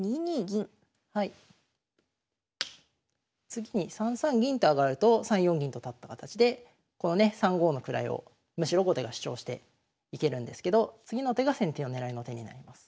次に３三銀と上がると３四銀と立った形でこのね３五の位をむしろ後手が主張していけるんですけど次の手が先手の狙いの手になります。